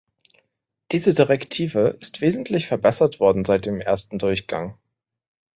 Diese Direktive ist wesentlich verbessert worden seit dem ersten Durchgang.